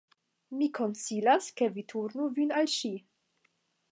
Mi konsilas ke vi turnu vin al ŝi.